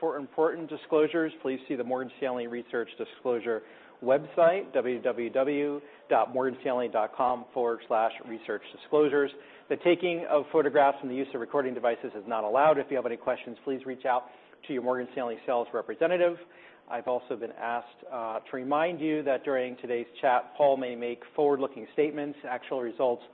For important disclosures, please see the Morgan Stanley Research Disclosure website, www.morganstanley.com/researchdisclosures. The taking of photographs and the use of recording devices is not allowed. If you have any questions, please reach out to your Morgan Stanley sales representative. I've also been asked to remind you that during today's chat, Paul may make forward-looking statements. Actual results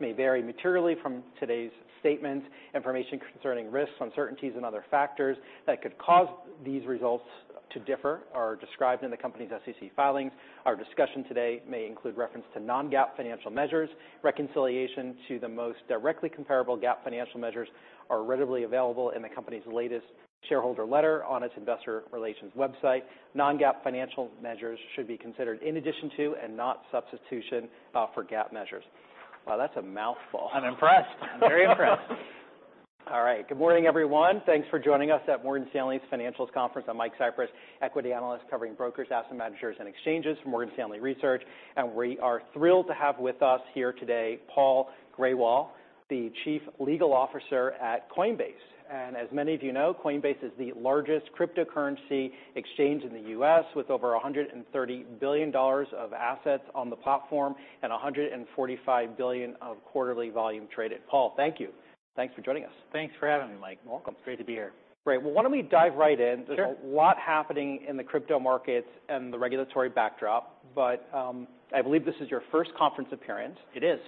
may vary materially from today's statements. Information concerning risks, uncertainties, and other factors that could cause these results to differ are described in the company's SEC filings. Our discussion today may include reference to non-GAAP financial measures. Reconciliation to the most directly comparable GAAP financial measures are readily available in the company's latest shareholder letter on its investor relations website. Non-GAAP financial measures should be considered in addition to, and not substitution, for GAAP measures. Wow, that's a mouthful. I'm impressed. I'm very impressed. All right. Good morning, everyone. Thanks for joining us at Morgan Stanley's Financials Conference. I'm Mike Cyprys, Equity Analyst covering brokers, asset managers, and exchanges for Morgan Stanley Research. We are thrilled to have with us here today, Paul Grewal, the Chief Legal Officer at Coinbase. As many of you know, Coinbase is the largest cryptocurrency exchange in the U.S., with over $130 billion of assets on the platform and $145 billion of quarterly volume traded. Paul, thank you. Thanks for joining us. Thanks for having me, Mike. Welcome. Great to be here. Great. Well, why don't we dive right in? Sure. There's a lot happening in the crypto markets and the regulatory backdrop, but, I believe this is your first conference appearance. It is.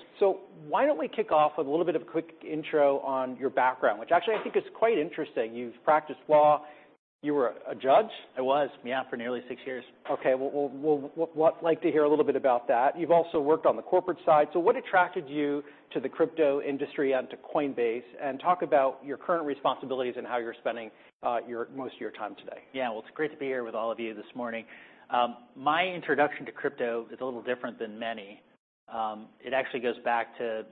Why don't we kick off with a little bit of a quick intro on your background, which actually, I think is quite interesting. You've practiced law. You were a judge? I was, yeah, for nearly six years. Okay. Well, I'd like to hear a little bit about that. You've also worked on the corporate side. What attracted you to the crypto industry and to Coinbase? Talk about your current responsibilities and how you're spending most of your time today. Yeah. Well, it's great to be here with all of you this morning. My introduction to crypto is a little different than many. It actually goes back to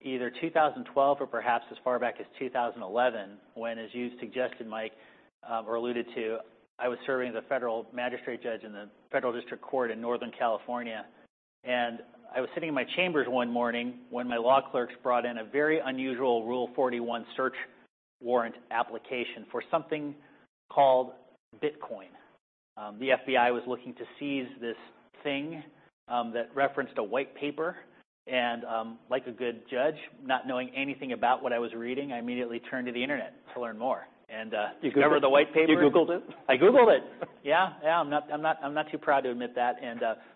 either 2012 or perhaps as far back as 2011, when, as you suggested, Mike, or alluded to, I was serving as a federal magistrate judge in the Federal District Court in Northern California. I was sitting in my chambers one morning when my law clerks brought in a very unusual Rule 41 search warrant application for something called Bitcoin. The FBI was looking to seize this thing, that referenced a white paper. Like a good judge, not knowing anything about what I was reading, I immediately turned to the internet to learn more. Remember the white paper? You Googled it? I Googled it. Yeah. I'm not too proud to admit that.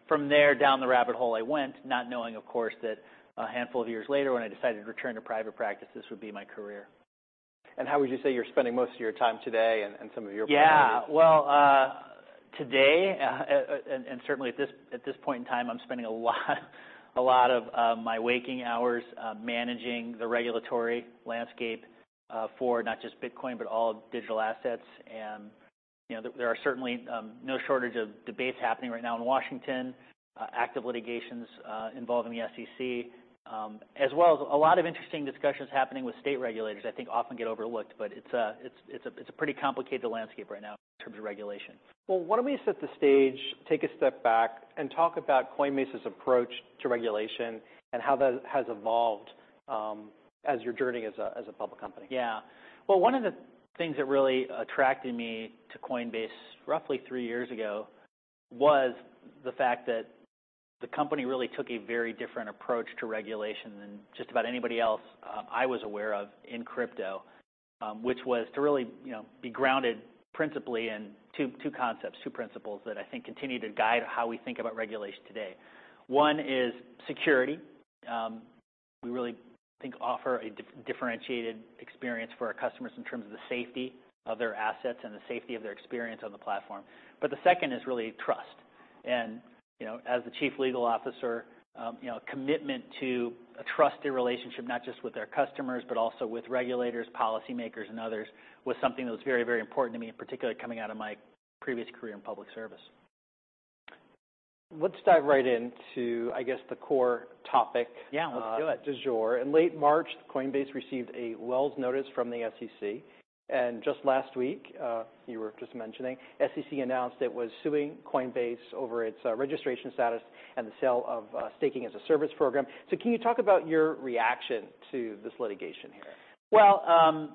From there, down the rabbit hole, I went, not knowing, of course, that a handful of years later, when I decided to return to private practice, this would be my career. How would you say you're spending most of your time today and some of your priorities? Yeah. Well, today, and certainly at this point in time, I'm spending a lot of my waking hours managing the regulatory landscape for not just Bitcoin, but all digital assets. You know, there are certainly no shortage of debates happening right now in Washington, active litigations involving the SEC, as well as a lot of interesting discussions happening with state regulators, I think often get overlooked. It's a pretty complicated landscape right now in terms of regulation. Why don't we set the stage, take a step back, and talk about Coinbase's approach to regulation and how that has evolved, as you're journeying as a public company? Yeah. Well, one of the things that really attracted me to Coinbase, roughly three years ago, was the fact that the company really took a very different approach to regulation than just about anybody else I was aware of in crypto. Which was to really, you know, be grounded principally in two concepts, two principles, that I think continue to guide how we think about regulation today. One is security. We really think offer a differentiated experience for our customers in terms of the safety of their assets and the safety of their experience on the platform. The second is really trust. You know, as the Chief Legal officer, you know, commitment to a trusted relationship, not just with our customers, but also with regulators, policymakers, and others, was something that was very, very important to me, and particularly coming out of my previous career in public service. Let's dive right into, I guess, the core topic. Yeah, let's do it.... du jour. In late March, Coinbase received a Wells notice from the SEC, and just last week, you were just mentioning, SEC announced it was suing Coinbase over its registration status and the sale of staking as a service program. Can you talk about your reaction to this litigation here?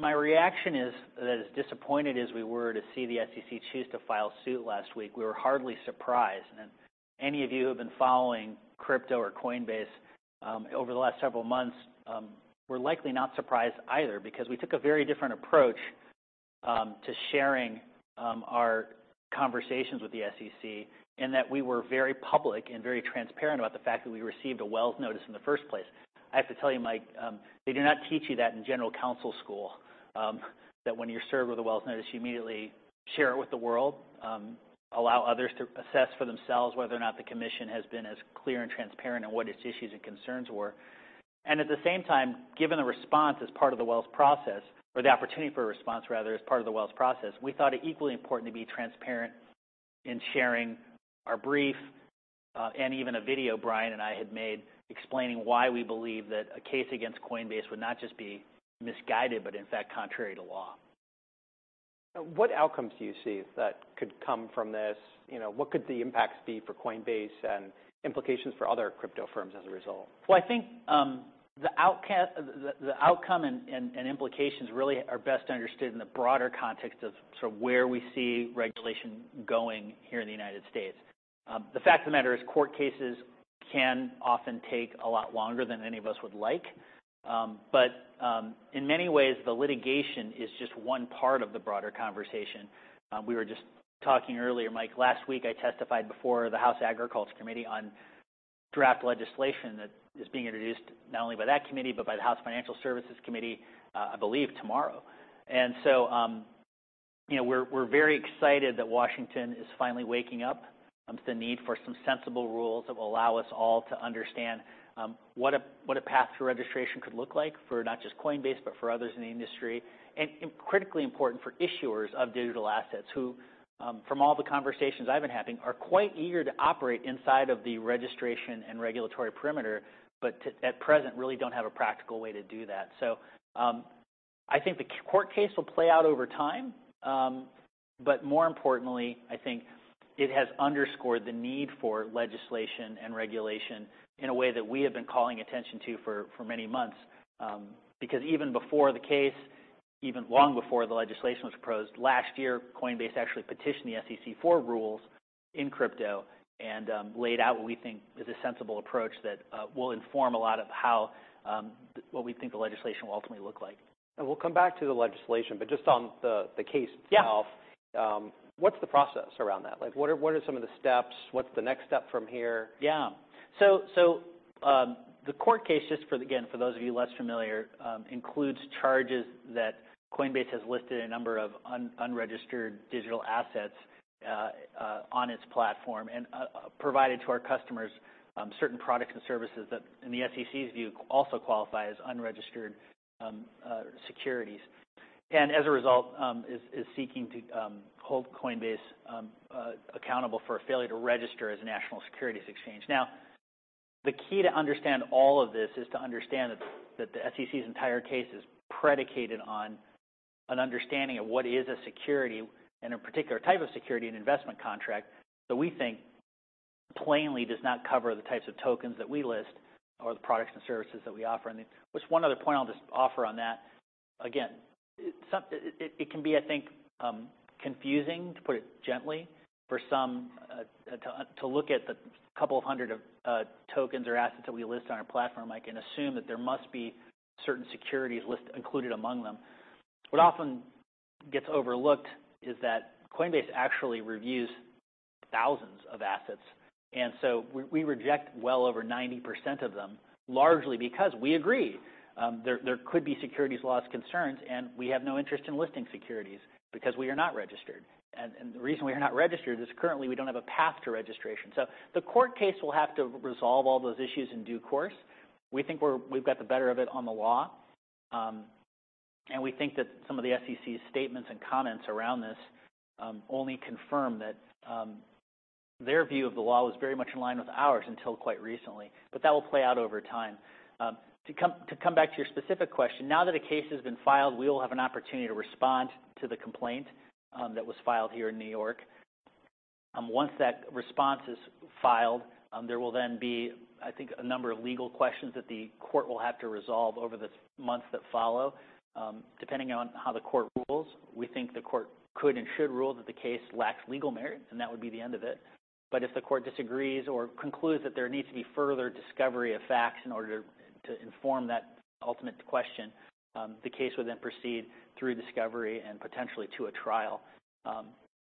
My reaction is that as disappointed as we were to see the SEC choose to file suit last week, we were hardly surprised. Any of you who have been following crypto or Coinbase over the last several months were likely not surprised either, because we took a very different approach to sharing our conversations with the SEC, and that we were very public and very transparent about the fact that we received a Wells notice in the first place. I have to tell you, Mike, they do not teach you that in general counsel school that when you're served with a Wells notice, you immediately share it with the world, allow others to assess for themselves whether or not the commission has been as clear and transparent on what its issues and concerns were. At the same time, given the response as part of the Wells process, or the opportunity for a response, rather, as part of the Wells process, we thought it equally important to be transparent in sharing our brief, and even a video Brian and I had made, explaining why we believe that a case against Coinbase would not just be misguided, but in fact contrary to law. What outcomes do you see that could come from this? You know, what could the impacts be for Coinbase and implications for other crypto firms as a result? Well, I think the outcome and implications really are best understood in the broader context of sort of where we see regulation going here in the United States. The fact of the matter is, court cases can often take a lot longer than any of us would like. In many ways, the litigation is just one part of the broader conversation. We were just talking earlier, Mike, last week, I testified before the House Agriculture Committee on draft legislation that is being introduced, not only by that committee, but by the House Financial Services Committee, I believe tomorrow. You know, we're very excited that Washington is finally waking up to the need for some sensible rules that will allow us all to understand what a path to registration could look like for not just Coinbase, but for others in the industry. Critically important for issuers of digital assets, who, from all the conversations I've been having, are quite eager to operate inside of the registration and regulatory perimeter, but at present, really don't have a practical way to do that. I think the court case will play out over time, but more importantly, I think it has underscored the need for legislation and regulation in a way that we have been calling attention to for many months. Even before the case, even long before the legislation was proposed, last year, Coinbase actually petitioned the SEC for rules in crypto and laid out what we think is a sensible approach that will inform a lot of how what we think the legislation will ultimately look like. We'll come back to the legislation, but just on the case itself- Yeah. What's the process around that? Like, what are some of the steps? What's the next step from here? The court case, just for, again, for those of you less familiar, includes charges that Coinbase has listed a number of unregistered digital assets on its platform, and provided to our customers certain products and services that, in the SEC's view, also qualify as unregistered securities. As a result, is seeking to hold Coinbase accountable for a failure to register as a national securities exchange. The key to understand all of this is to understand that the SEC's entire case is predicated on an understanding of what is a security, and a particular type of security and investment contract, that we think plainly does not cover the types of tokens that we list or the products and services that we offer. Just one other point I'll just offer on that, again, it can be, I think, confusing, to put it gently, for some to look at the couple of 100 of tokens or assets that we list on our platform, Mike, and assume that there must be certain securities list included among them. What often gets overlooked is that Coinbase actually reviews thousands of assets, and so we reject well over 90% of them, largely because we agree, there could be securities laws concerns, and we have no interest in listing securities because we are not registered. The reason we are not registered is currently we don't have a path to registration. The court case will have to resolve all those issues in due course. We think we've got the better of it on the law. We think that some of the SEC's statements and comments around this only confirm that their view of the law was very much in line with ours until quite recently. That will play out over time. To come back to your specific question, now that a case has been filed, we will have an opportunity to respond to the complaint that was filed here in New York. Once that response is filed, there will then be, I think, a number of legal questions that the court will have to resolve over the months that follow. Depending on how the court rules, we think the court could and should rule that the case lacks legal merit, and that would be the end of it. If the court disagrees or concludes that there needs to be further discovery of facts in order to inform that ultimate question, the case would then proceed through discovery and potentially to a trial.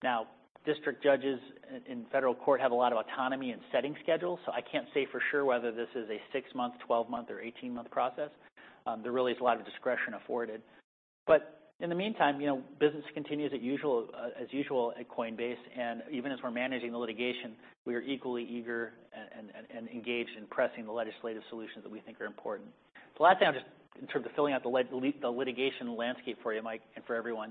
Now, district judges in federal court have a lot of autonomy in setting schedules, so I can't say for sure whether this is a six-month, 12-month or 18-month process. There really is a lot of discretion afforded. In the meantime, you know, business continues as usual at Coinbase, and even as we're managing the litigation, we are equally eager and engaged in pressing the legislative solutions that we think are important. The last thing, I'm just in terms of filling out the litigation landscape for you, Mike, and for everyone,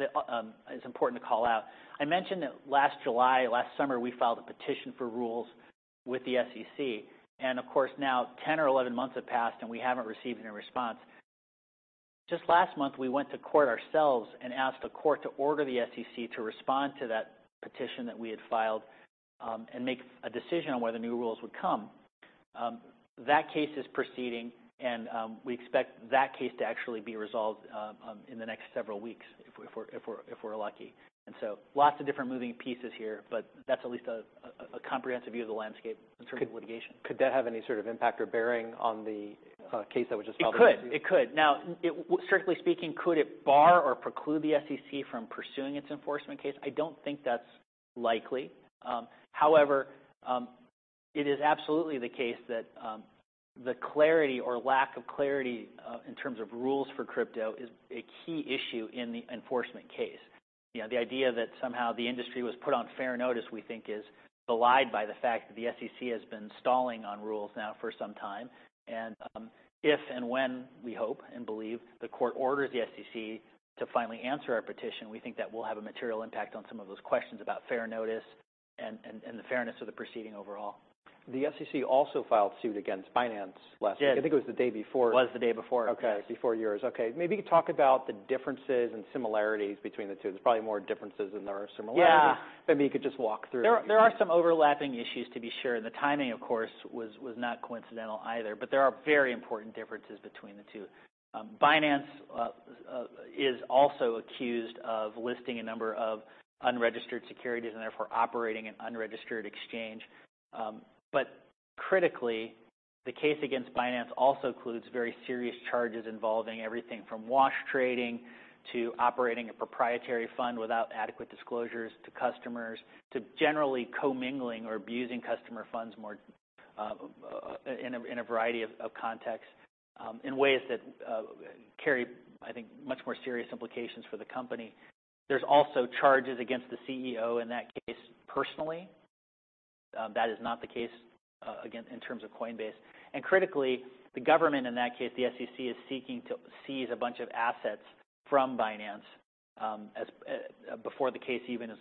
it's important to call out. I mentioned that last July, last summer, we filed a petition for rules with the SEC. Of course, now 10 or 11 months have passed, and we haven't received any response. Just last month, we went to court ourselves and asked the court to order the SEC to respond to that petition that we had filed and make a decision on whether new rules would come. That case is proceeding, and we expect that case to actually be resolved in the next several weeks, if we're lucky. So lots of different moving pieces here, but that's at least a comprehensive view of the landscape in terms of litigation. Could that have any sort of impact or bearing on the case that was just filed? It could. It could. Now, strictly speaking, could it bar or preclude the SEC from pursuing its enforcement case? I don't think that's likely. However, it is absolutely the case that the clarity or lack of clarity in terms of rules for crypto is a key issue in the enforcement case. You know, the idea that somehow the industry was put on fair notice, we think is belied by the fact that the SEC has been stalling on rules now for some time. If and when, we hope and believe, the court orders the SEC to finally answer our petition, we think that will have a material impact on some of those questions about fair notice and the fairness of the proceeding overall. The SEC also filed suit against Binance last week. Yes. I think it was the day before. It was the day before. Okay, before yours. Okay, maybe talk about the differences and similarities between the two. There's probably more differences than there are similarities. Yeah. Maybe you could just walk through. There are some overlapping issues, to be sure. The timing, of course, was not coincidental either. There are very important differences between the two. Binance is also accused of listing a number of unregistered securities, and therefore operating an unregistered exchange. Critically, the case against Binance also includes very serious charges involving everything from wash-trading to operating a proprietary fund without adequate disclosures to customers, to generally commingling or abusing customer funds more in a variety of contexts, in ways that carry, I think, much more serious implications for the company. There's also charges against the CEO in that case, personally. That is not the case again, in terms of Coinbase. Critically, the government in that case, the SEC, is seeking to seize a bunch of assets from Binance, as before the case even is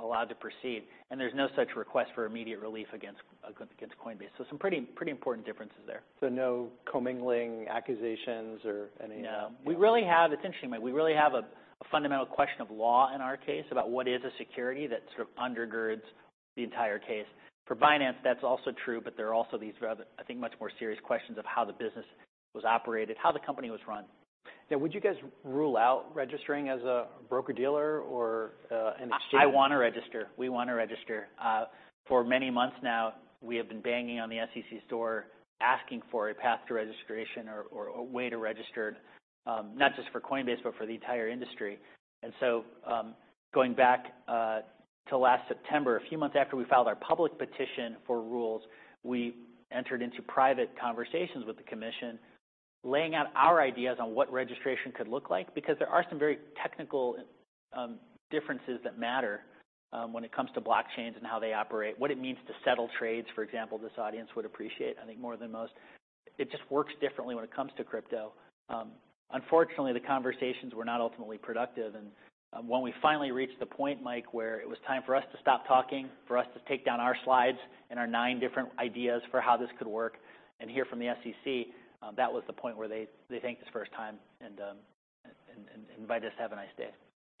allowed to proceed, and there's no such request for immediate relief against Coinbase. Some pretty important differences there. So, no commingling accusations or any- No. We really have. It's interesting, Mike, we really have a fundamental question of law in our case, about what is a security, that sort of undergirds the entire case. For Binance, that's also true, but there are also these rather, I think, much more serious questions of how the business was operated, how the company was run. Would you guys rule out registering as a broker-dealer or an exchange? I want to register. We want to register. For many months now, we have been banging on the SEC's door, asking for a path to registration or a way to register, not just for Coinbase, but for the entire industry. Going back to last September, a few months after we filed our public petition for rules, we entered into private conversations with the Commission, laying out our ideas on what registration could look like. There are some very technical differences that matter when it comes to blockchains and how they operate. What it means to settle trades, for example, this audience would appreciate, I think, more than most. It just works differently when it comes to crypto. Unfortunately, the conversations were not ultimately productive. When we finally reached the point, Mike, where it was time for us to stop talking, for us to take down our slides and our nine different ideas for how this could work, and hear from the SEC, that was the point where they thanked us for our time and invited us to have a nice day.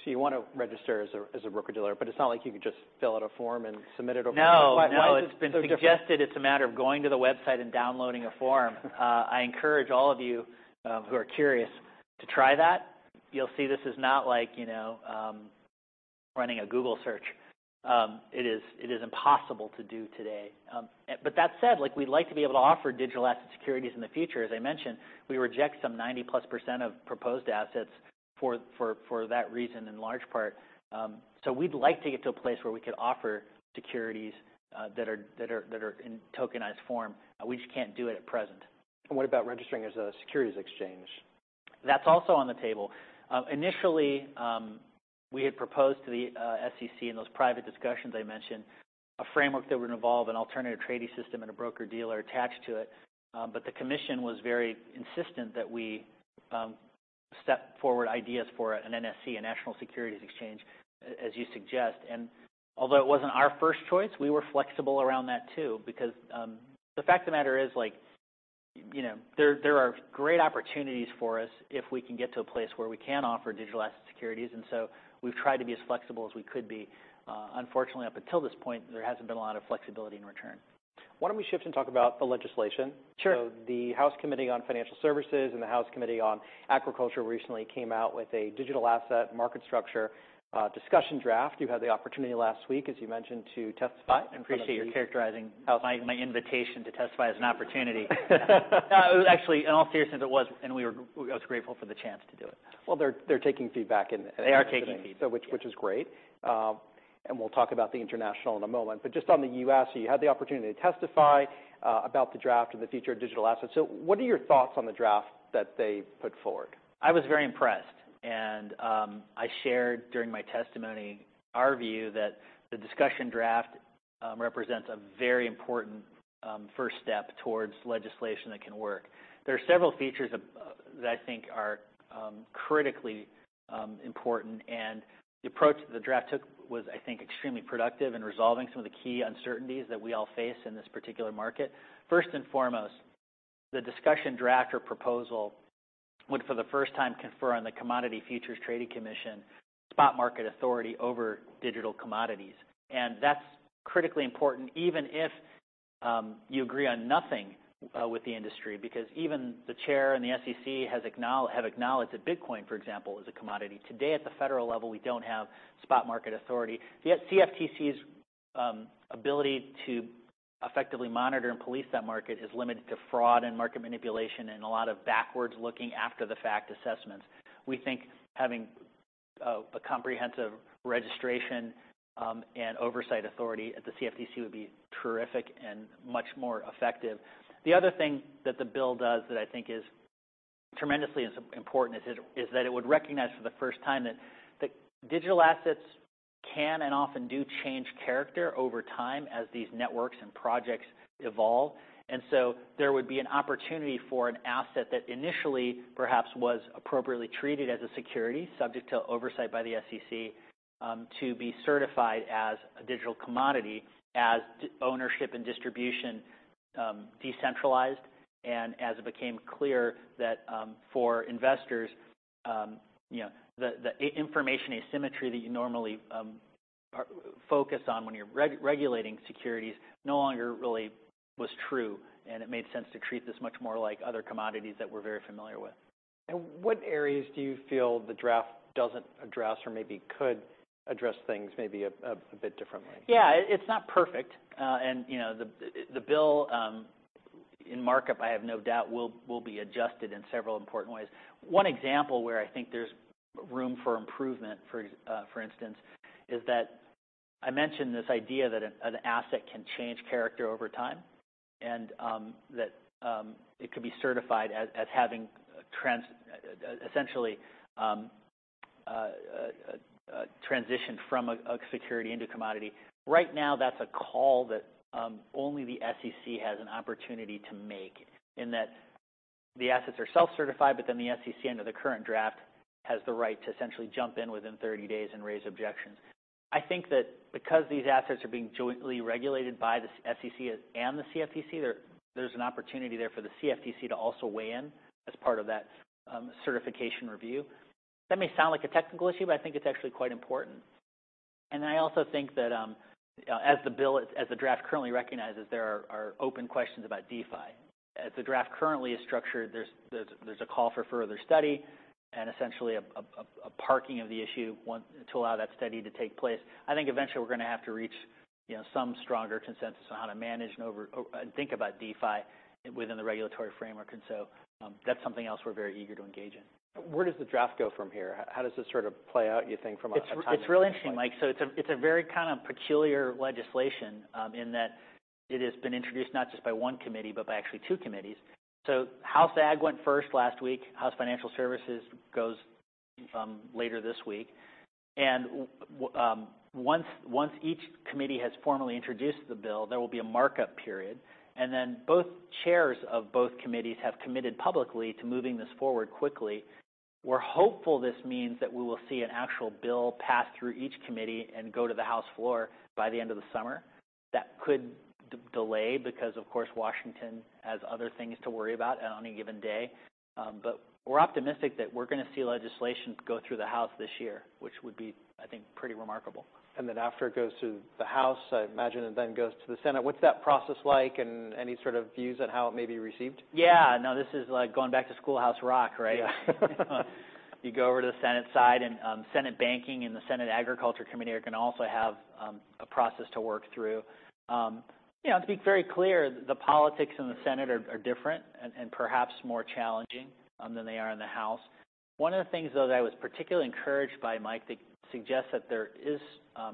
You want to register as a broker-dealer, but it's not like you could just fill out a form and submit it over? No. Why, why is it so different? It's been suggested it's a matter of going to the website and downloading a form. I encourage all of you, who are curious, to try that. You'll see this is not like, you know, running a Google search. It is impossible to do today. That said, like, we'd like to be able to offer digital asset securities in the future. As I mentioned, we reject some 90%+ of proposed assets for that reason, in large part. We'd like to get to a place where we could offer securities, that are in tokenized form. We just can't do it at present. What about registering as a securities exchange? That's also on the table. Initially, we had proposed to the SEC in those private discussions I mentioned, a framework that would involve an alternative trading system and a broker-dealer attached to it. The commission was very insistent that we step forward ideas for an NSE, a national securities exchange, as you suggest. Although it wasn't our first choice, we were flexible around that, too, because the fact of the matter is, like, you know, there are great opportunities for us if we can get to a place where we can offer digital asset securities. So we've tried to be as flexible as we could be. Unfortunately, up until this point, there hasn't been a lot of flexibility in return. Why don't we shift and talk about the legislation? Sure. The House Committee on Financial Services and the House Committee on Agriculture recently came out with a digital asset market structure discussion draft. You had the opportunity last week, as you mentioned, to testify. I appreciate you characterizing my invitation to testify as an opportunity. It was actually, in all seriousness, it was, and I was grateful for the chance to do it. Well, they're taking feedback- They are taking feedback. Which is great. We'll talk about the international in a moment. Just on the U.S., you had the opportunity to testify about the draft and the future of digital assets. What are your thoughts on the draft that they put forward? I was very impressed, and I shared during my testimony, our view that the discussion draft represents a very important first step towards legislation that can work. There are several features of that I think are critically important, and the approach that the draft took was, I think, extremely productive in resolving some of the key uncertainties that we all face in this particular market. First and foremost, the discussion draft or proposal would, for the first time, confer on the Commodity Futures Trading Commission, spot market authority over digital commodities. That's critically important, even if you agree on nothing with the industry, because even the chair and the SEC have acknowledged that Bitcoin, for example, is a commodity. Today, at the federal level, we don't have spot market authority, yet CFTC's ability to effectively monitor and police that market is limited to fraud and market manipulation, and a lot of backwards-looking, after-the-fact assessments. We think having a comprehensive registration and oversight authority at the CFTC would be terrific and much more effective. The other thing that the bill does that I think is tremendously important, is that it would recognize for the first time that digital assets can and often do change character over time, as these networks and projects evolve. There would be an opportunity for an asset that initially perhaps was appropriately treated as a security, subject to oversight by the SEC to be certified as a digital commodity as ownership and distribution decentralized. As it became clear that, for investors, you know, the information asymmetry that you normally focus on when you're regulating securities, no longer really was true, and it made sense to treat this much more like other commodities that we're very familiar with. What areas do you feel the draft doesn't address or maybe could address things maybe a bit differently? Yeah, it's not perfect. You know, the bill in markup, I have no doubt will be adjusted in several important ways. One example where I think there's room for improvement for instance, is that I mentioned this idea that an asset can change character over time, that it could be certified as having essentially a transition from a security into commodity. Right now, that's a call that only the SEC has an opportunity to make, in that the assets are self-certified, the SEC, under the current draft, has the right to essentially jump in within 30 days and raise objections. I think that because these assets are being jointly regulated by the SEC and the CFTC, there's an opportunity there for the CFTC to also weigh in as part of that certification review. That may sound like a technical issue, but I think it's actually quite important. And I also think that, as the bill, as the draft currently recognizes, there are open questions about DeFi. As the draft currently is structured, there's a call for further study and essentially a parking of the issue to allow that study to take place. I think eventually we're gonna have to reach, you know, some stronger consensus on how to manage and think about DeFi within the regulatory framework, and so, that's something else we're very eager to engage in. Where does the draft go from here? How does this sort of play out, you think, from a timeline perspective? It's real interesting, Mike. It's a very kind of peculiar legislation, in that it has been introduced not just by one committee, but by actually two committees. House Ag' went first last week. House Financial Services goes later this week. Once each committee has formally introduced the bill, there will be a markup period, then both chairs of both committees have committed publicly to moving this forward quickly. We're hopeful this means that we will see an actual bill pass through each committee and go to the House floor by the end of the summer. That could delay because, of course, Washington has other things to worry about on a given day. We're optimistic that we're gonna see legislation go through the House this year, which would be, I think, pretty remarkable. After it goes through the House, I imagine it then goes to the Senate. What's that process like, and any sort of views on how it may be received? Yeah. No, this is like going back to Schoolhouse Rock, right? Yeah. You go over to the Senate side, and Senate Banking and the Senate Agriculture Committee are gonna also have a process to work through. You know, to be very clear, the politics in the Senate are different and perhaps more challenging than they are in the House. One of the things, though, that I was particularly encouraged by, Mike, that suggests that there is a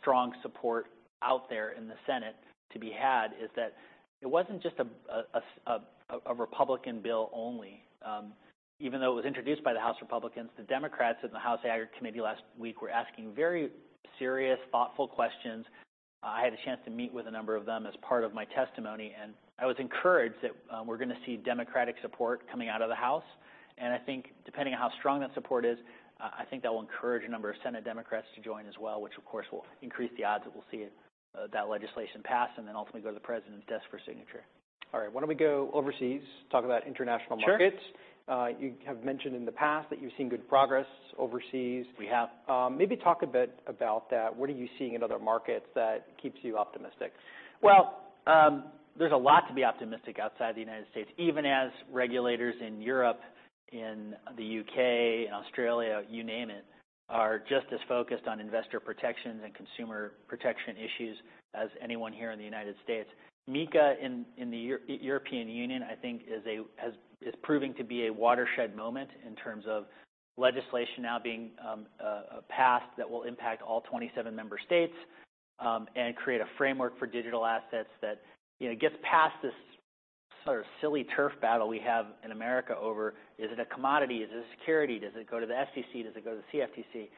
strong support out there in the Senate to be had, is that it wasn't just a Republican bill only. It was introduced by the House Republicans, the Democrats in the House Ag' Committee last week were asking very serious, thoughtful questions. I had a chance to meet with a number of them as part of my testimony, and I was encouraged that, we're gonna see Democratic support coming out of the House. I think depending on how strong that support is, I think that will encourage a number of Senate Democrats to join as well, which, of course, will increase the odds that we'll see, that legislation pass and then ultimately go to the President's desk for signature. All right. Why don't we go overseas? Talk about international markets. Sure. You have mentioned in the past that you've seen good progress overseas. We have. Maybe talk a bit about that. What are you seeing in other markets that keeps you optimistic? Well, there's a lot to be optimistic outside the United States, even as regulators in Europe, in the U.K., Australia, you name it, are just as focused on investor protections and consumer protection issues as anyone here in the United States. MiCA, in the European Union, I think, is proving to be a watershed moment in terms of legislation now being passed, that will impact all 27 member states, and create a framework for digital assets that, you know, gets past this sort of silly turf battle we have in America over, is it a commodity? Is it a security? Does it go to the SEC? Does it go to the CFTC?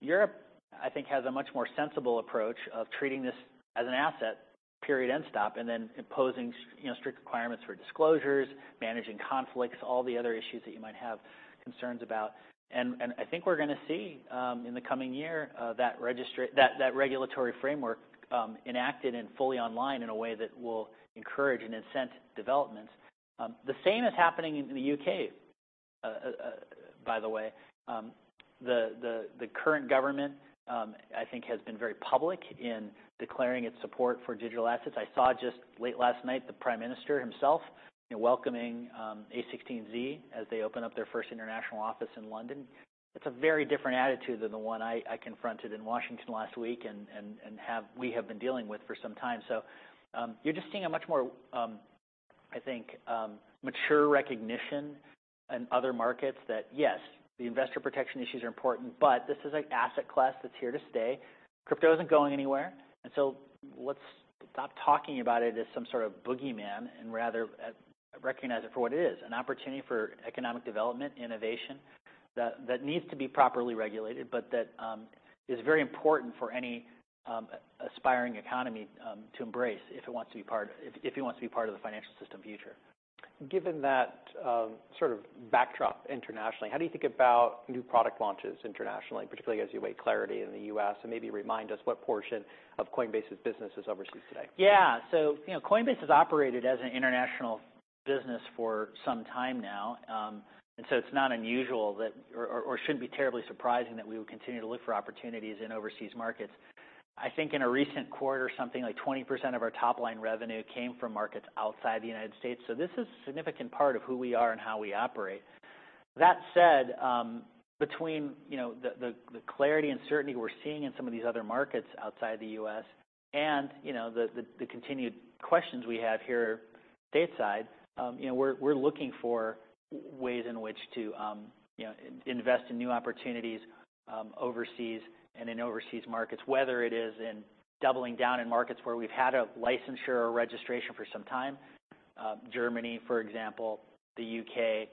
Europe, I think, has a much more sensible approach of treating this as an asset, period and stop, and then imposing you know, strict requirements for disclosures, managing conflicts, all the other issues that you might have concerns about. I think we're gonna see in the coming year that regulatory framework enacted and fully online in a way that will encourage and incent developments. The same is happening in the U.K. by the way. The current government, I think has been very public in declaring its support for digital assets. I saw just late last night, the Prime Minister himself, you know, welcoming a16z as they open up their first international office in London. It's a very different attitude than the one I confronted in Washington last week and we have been dealing with for some time. You're just seeing a much more, I think, mature recognition in other markets that, yes, the investor protection issues are important, but this is an asset class that's here to stay. Crypto isn't going anywhere, let's stop talking about it as some sort of boogeyman, and rather, recognize it for what it is, an opportunity for economic development, innovation, that needs to be properly regulated, but that is very important for any aspiring economy to embrace if it wants to be part of the financial system future. Given that, sort of backdrop internationally, how do you think about new product launches internationally, particularly as you await clarity in the U.S.? Maybe remind us what portion of Coinbase's business is overseas today. Yeah. You know, Coinbase has operated as an international business for some time now. It's not unusual that, or shouldn't be terribly surprising that we would continue to look for opportunities in overseas markets. I think in a recent quarter, something like 20% of our top line revenue came from markets outside the United States. This is a significant part of who we are and how we operate. That said, between, you know, the clarity and certainty we're seeing in some of these other markets outside the U.S. and, you know, the continued questions we have here stateside, you know, we're looking for ways in which to, you know, invest in new opportunities overseas and in overseas markets, whether it is in doubling down in markets where we've had a licensure or registration for some time, Germany, for example, the U.K.,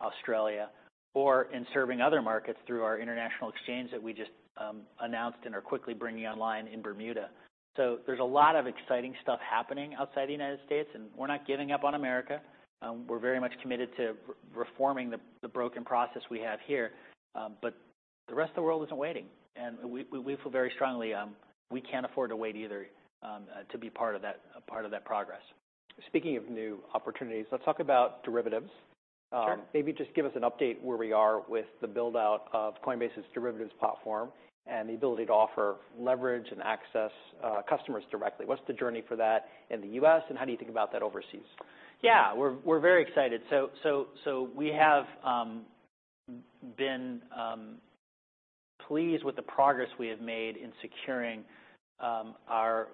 Australia, or in serving other markets through our international exchange that we just announced and are quickly bringing online in Bermuda. There's a lot of exciting stuff happening outside the United States, and we're not giving up on America. We're very much committed to reforming the broken process we have here, but the rest of the world isn't waiting, and we feel very strongly, we can't afford to wait either, to be part of that, a part of that progress. Speaking of new opportunities, let's talk about derivatives. Sure. Maybe just give us an update where we are with the build-out of Coinbase's derivatives platform and the ability to offer leverage and access customers directly. What's the journey for that in the U.S., and how do you think about that overseas? Yeah, we're very excited. We have been pleased with the progress we have made in securing our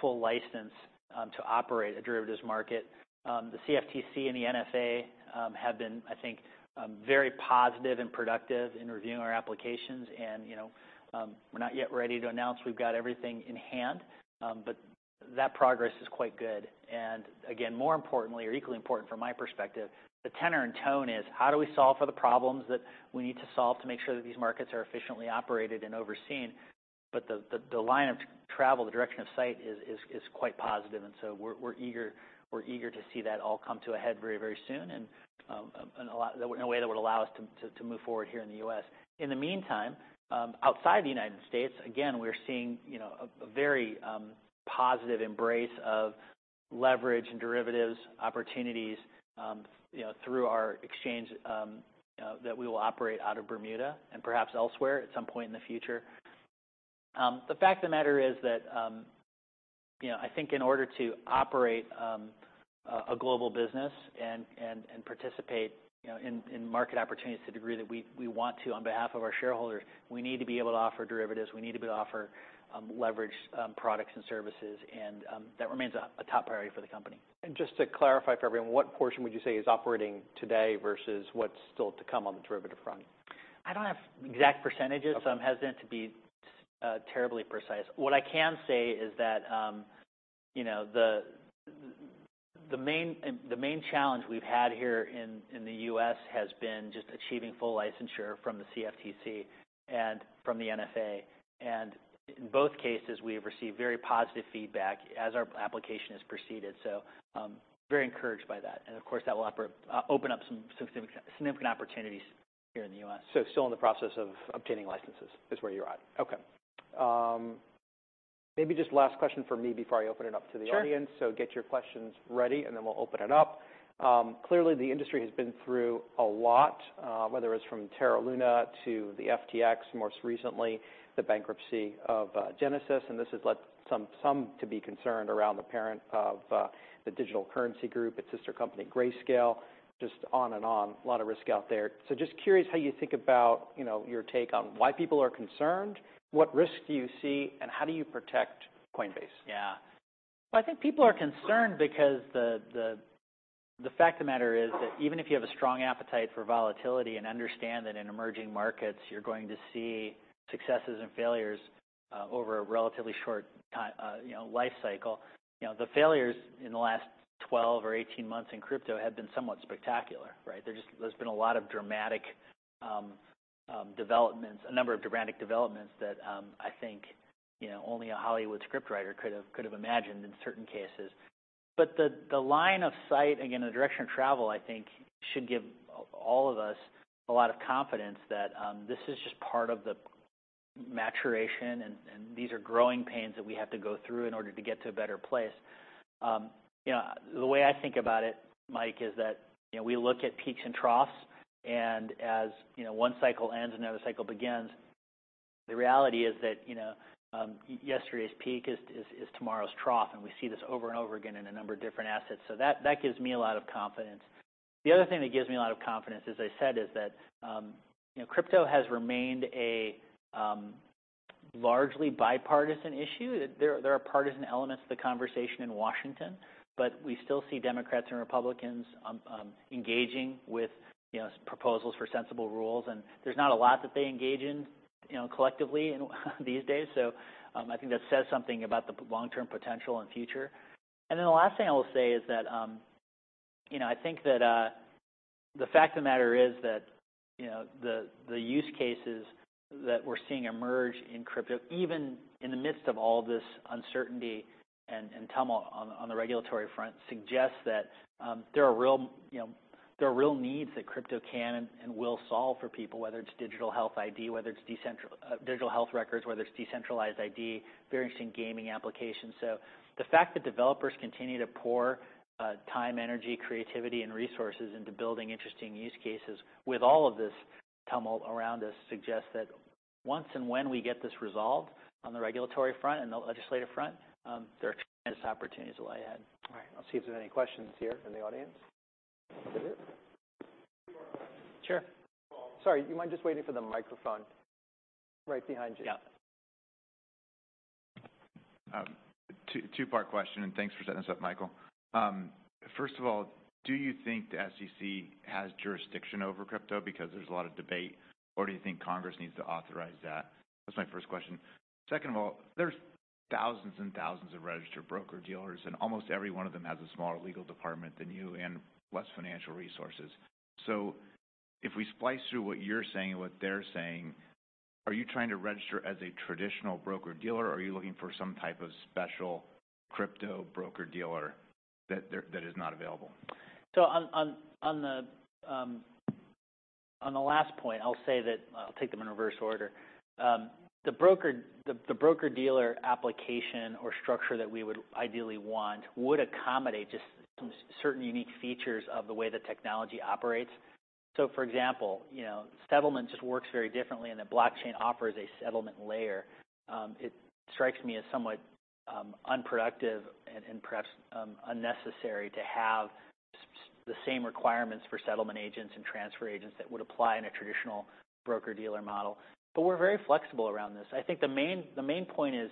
full license to operate a derivatives market. The CFTC and the NFA have been, I think, very positive and productive in reviewing our applications and, you know, we're not yet ready to announce we've got everything in hand, but that progress is quite good. Again, more importantly or equally important from my perspective, the tenor and tone is how do we solve for the problems that we need to solve to make sure that these markets are efficiently operated and overseen? The line of travel, the direction of sight is quite positive, we're eager to see that all come to a head very, very soon, in a way that would allow us to move forward here in the U.S. In the meantime, outside the United States, again, we're seeing, you know, a very positive embrace of leverage and derivatives opportunities, you know, through our exchange, that we will operate out of Bermuda and perhaps elsewhere at some point in the future. The fact of the matter is that, you know, I think in order to operate a global business and participate, you know, in market opportunities to the degree that we want to on behalf of our shareholders, we need to be able to offer derivatives. We need to be able to offer leverage products and services, and that remains a top priority for the company. Just to clarify for everyone, what portion would you say is operating today versus what's still to come on the derivative front? I don't have exact percentages- Okay. I'm hesitant to be terribly precise. What I can say is that, you know, the main challenge we've had here in the U.S. has been just achieving full licensure from the CFTC and from the NFA. In both cases, we have received very positive feedback as our application has proceeded, so very encouraged by that. Of course, that will open up some significant opportunities here in the U.S. Still in the process of obtaining licenses is where you're at. Okay. Maybe just last question from me before I open it up to the audience. Sure. Get your questions ready, and then we'll open it up. Clearly the industry has been through a lot, whether it's from Terra Luna to the FTX, most recently, the bankruptcy of Genesis, and this has led some to be concerned around the parent of the Digital Currency Group, its sister company, Grayscale, just on and on. A lot of risk out there. Just curious how you think about, you know, your take on why people are concerned, what risks do you see, and how do you protect Coinbase? Well, I think people are concerned because the fact of the matter is that even if you have a strong appetite for volatility and understand that in emerging markets, you're going to see successes and failures, over a relatively short, you know, life cycle. You know, the failures in the last 12 or 18 months in crypto have been somewhat spectacular, right? There's just, there's been a lot of dramatic developments, a number of dramatic developments that, I think, you know, only a Hollywood scriptwriter could have, could have imagined in certain cases. The line of sight, again, the direction of travel, I think should give all of us a lot of confidence that this is just part of the maturation, and these are growing pains that we have to go through in order to get to a better place. You know, the way I think about it, Mike, is that, you know, we look at peaks and troughs, and as, you know, one cycle ends and another cycle begins, the reality is that, you know, yesterday's peak is tomorrow's trough, and we see this over-and-over again in a number of different assets. That gives me a lot of confidence. The other thing that gives me a lot of confidence, as I said, is that, you know, crypto has remained a largely bipartisan issue. There are partisan elements to the conversation in Washington. We still see Democrats and Republicans engaging with, you know, proposals for sensible rules. There's not a lot that they engage in, you know, collectively, these days. I think that says something about the long-term potential and future. The last thing I will say is that, you know, I think that the fact of the matter is that, you know, the use cases that we're seeing emerge in crypto, even in the midst of all this uncertainty and tumult on the regulatory front, suggests that there are real, you know, there are real needs that crypto can and will solve for people, whether it's digital health ID, whether it's digital health records, whether it's decentralized ID, very interesting gaming applications. The fact that developers continue to pour time, energy, creativity, and resources into building interesting use cases with all of this tumult around us, suggests that once and when we get this resolved on the regulatory front and the legislative front, there are tremendous opportunities that lie ahead. All right. I'll see if there are any questions here from the audience. There is? Sure. Sorry, do you mind just waiting for the microphone? Right behind you. Yeah. Two-part question. Thanks for setting this up, Michael. First of all, do you think the SEC has jurisdiction over crypto? Because there's a lot of debate. Do you think Congress needs to authorize that? That's my first question. Second of all, there's thousands and thousands of registered broker-dealers, and almost every one of them has a smaller legal department than you and less financial resources. If we splice through what you're saying and what they're saying, are you trying to register as a traditional broker-dealer, or are you looking for some type of special crypto broker-dealer that is not available? On the last point, I'll say that. I'll take them in reverse order. The broker-dealer application or structure that we would ideally want, would accommodate just some certain unique features of the way the technology operates. For example, you know, settlement just works very differently, and the blockchain offers a settlement layer. It strikes me as somewhat unproductive and perhaps unnecessary to have the same requirements for settlement agents and transfer agents that would apply in a traditional broker-dealer model. We're very flexible around this. I think the main point is,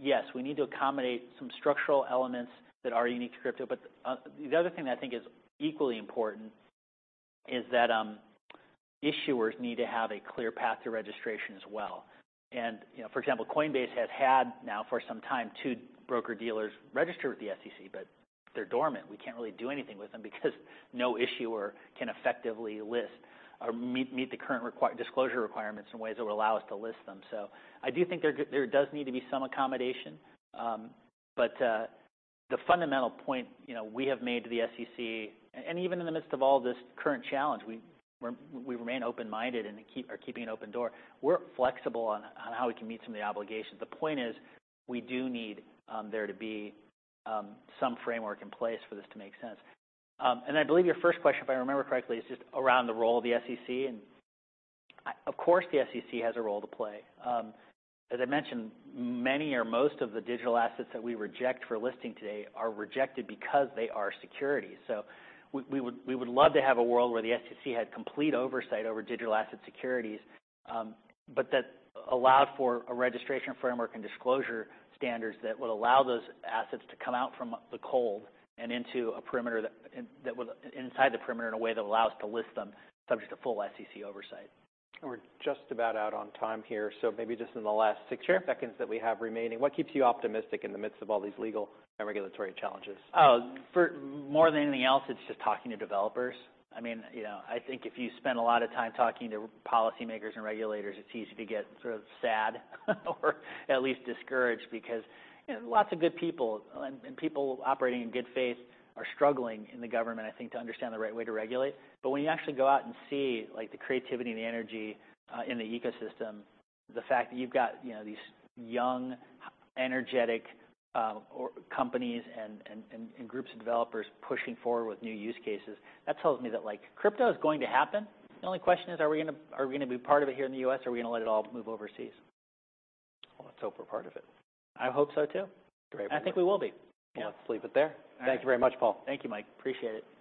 yes, we need to accommodate some structural elements that are unique to crypto, the other thing that I think is equally important is that issuers need to have a clear path to registration as well. You know, for example, Coinbase has had now for some time, two broker-dealers register with the SEC, but they're dormant. We can't really do anything with them because no issuer can effectively list or meet the current disclosure requirements in ways that would allow us to list them. I do think there does need to be some accommodation. The fundamental point, you know, we have made to the SEC, and even in the midst of all this current challenge, we remain open-minded and are keeping an open door. We're flexible on how we can meet some of the obligations. The point is, we do need there to be some framework in place for this to make sense. I believe your first question, if I remember correctly, is just around the role of the SEC. Of course, the SEC has a role to play. As I mentioned, many or most of the digital assets that we reject for listing today are rejected because they are securities. We would love to have a world where the SEC had complete oversight over digital asset securities, but that allowed for a registration framework and disclosure standards that would allow those assets to come out from the cold and into a perimeter that, inside the perimeter in a way that allows us to list them subject to full SEC oversight. We're just about out on time here, so maybe just in the last six-. Sure -seconds that we have remaining, what keeps you optimistic in the midst of all these legal and regulatory challenges? Oh, for more than anything else, it's just talking to developers. I mean, you know, I think if you spend a lot of time talking to policymakers and regulators, it's easy to get sort of sad, or at least discouraged. You know, lots of good people and people operating in good faith, are struggling in the government, I think, to understand the right way to regulate. When you actually go out and see, like, the creativity and the energy in the ecosystem, the fact that you've got, you know, these young, energetic, or companies and groups of developers pushing forward with new use cases, that tells me that, like, crypto is going to happen. The only question is, are we gonna be part of it here in the U.S., or are we gonna let it all move overseas? Well, let's hope we're part of it. I hope so, too. Great. I think we will be. Yeah, let's leave it there. All right. Thank you very much, Paul. Thank you, Mike. Appreciate it.